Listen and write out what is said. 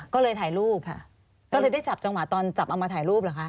ก็เลยถ่ายรูปค่ะก็เลยได้จับจังหวะตอนจับเอามาถ่ายรูปเหรอคะ